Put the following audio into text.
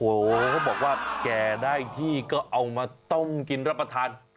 โอ้โหเขาบอกว่าแก่ได้ที่ก็เอามาต้มกินรับประทาน